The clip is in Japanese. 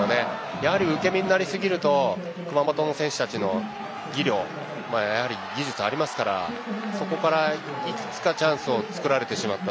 やはり受け身になりすぎると熊本の選手たちの技量やはり技術がありますからそこから、いくつかチャンスを作られてしまった。